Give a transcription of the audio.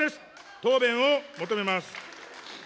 答弁を求めます。